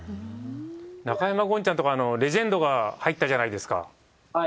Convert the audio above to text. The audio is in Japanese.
中山ゴンちゃんとかレジェンドが入ったじゃないですか。